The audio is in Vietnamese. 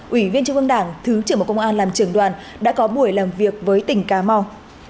ủy viên trung ương đảng thứ trưởng bộ công an làm trưởng đoàn đã có buổi làm việc với tỉnh cà mau